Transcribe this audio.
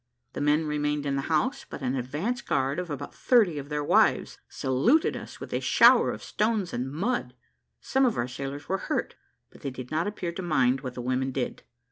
The men remained in the house, but an advanced guard of about thirty of their wives, saluted us with a shower of stones and mud. Some of our sailors were hurt, but they did not appear to mind what the women did.